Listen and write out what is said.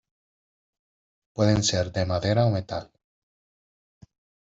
Pueden ser de madera o metal.